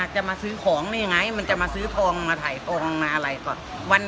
จะมาซื้อของได้ยังไงมันจะมาซื้อทองมาถ่ายทองมาอะไรก่อน